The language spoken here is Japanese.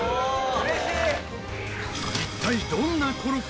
うれしい！